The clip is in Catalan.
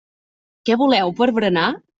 Què voleu per berenar?